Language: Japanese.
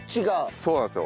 そうなんですよ。